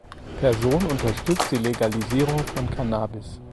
Person unterstützt die Legalisierung von Cannabis.